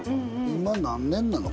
今何年なの？